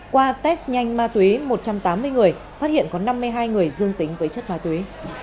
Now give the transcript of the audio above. qua test nhanh ma túy một trăm tám mươi người phát hiện có năm mươi hai người dương tính với chất ma túy